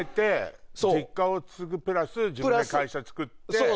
実家を継ぐプラス自分で会社をつくって。